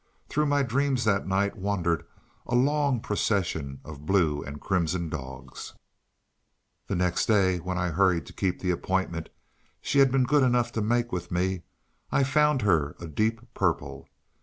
Through my dreams that night wandered a long procession of blue and crimson dogs. The next day, when I hurried to keep the appointment she had been good enough to make with me, I found her a deep purple.